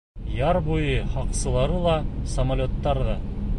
Яр буйы һаҡсылары ла, самолеттар ҙа.